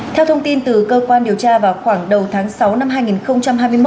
theo thông tin từ cơ quan điều tra vào khoảng đầu tháng sáu năm hai nghìn hai mươi một